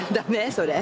それ。